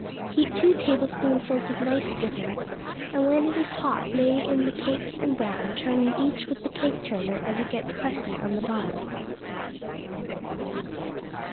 Heat two tablespoonfuls of nice dripping, and when it is hot lay in the cakes and brown, turning each with the cake turner as it gets crusty on the bottom.